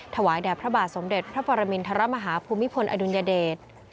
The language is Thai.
ถวายแด่พระบาทสมเด็จพระปรมินทรมาฮาภูมิพลอดุลยเดช